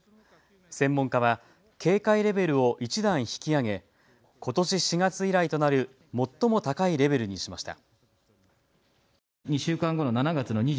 専門家は警戒レベルを１段引き上げことし４月以来となる最も高いレベルにしました。